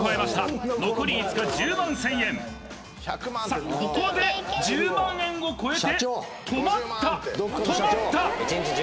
さっここで１０万円を超えて止まった止まった！